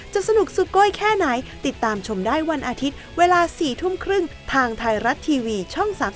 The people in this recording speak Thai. สนุกสุดโก้ยแค่ไหนติดตามชมได้วันอาทิตย์เวลา๔ทุ่มครึ่งทางไทยรัฐทีวีช่อง๓๒